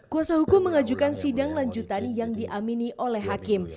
kuasa hukum mengajukan sidang lanjutan yang diamini oleh hakim